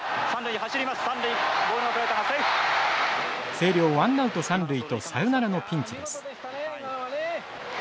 星稜ワンナウト三塁とサヨナラのピンチです。